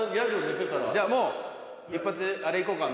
じゃあもう一発あれ行こうか？